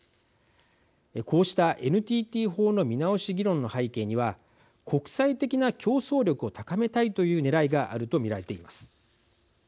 こうしたＮＴＴ法の見直し議論の背景には国際的な競争力を高めたいというねらいがあると見られています。